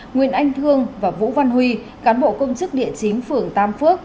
nguyễn anh thương và vũ văn huy cán bộ công chức địa chính phường tam phước